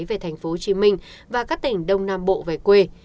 về tp hcm và các tỉnh đông nam bộ về quê